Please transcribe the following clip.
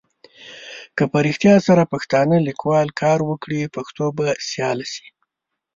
که په رېښتیا سره پښتانه لیکوال کار وکړي پښتو به سیاله سي.